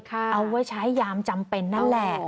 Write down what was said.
เอาไว้ใช้ยามจำเป็นนั่นแหละ